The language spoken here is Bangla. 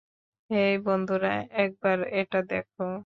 হেই, বন্ধুরা, একবার এটা দেখ।